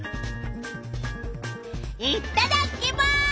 いっただっきます！